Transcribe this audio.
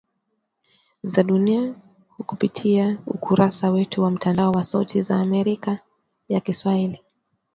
za dunia kupitia ukurasa wetu wa mtandao wa sauti ya Amerika ya kiswahili